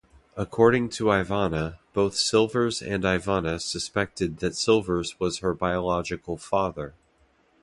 According to Ivana, both Silvers and Ivana suspected that Silvers was her biological father.